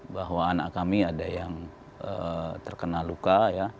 bahwa anak kami ada yang terkena luka